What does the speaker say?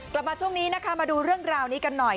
กลับมาช่วงนี้นะคะมาดูเรื่องราวนี้กันหน่อย